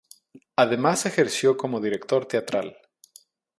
Además ejerció como director teatral.